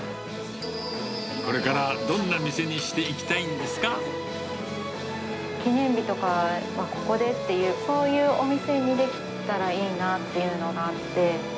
これからどんな店にしていき記念日とかはここでっていう、そういうお店にできたらいいなっていうのがあって。